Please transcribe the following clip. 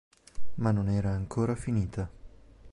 Ma non era ancora finita.